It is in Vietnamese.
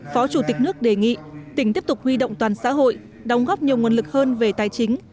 phó chủ tịch nước đề nghị tỉnh tiếp tục huy động toàn xã hội đóng góp nhiều nguồn lực hơn về tài chính